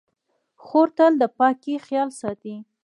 خور تل د پاکۍ خیال ساتي.